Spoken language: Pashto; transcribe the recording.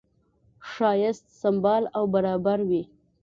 ښایست سمبال او برابر وي.